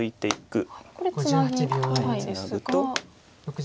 ツナぐと。